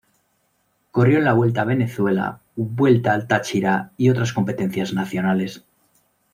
Corrió en la Vuelta a Venezuela, Vuelta al Táchira y otras competencias nacionales.